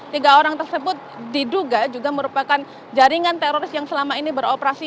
tiga orang tersebut diduga juga merupakan jaringan teroris yang selama ini beroperasi